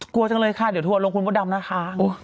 กลัวจังเลยค่ะเดี๋ยวทัวร์ลงคุณพระดำหน้าทาง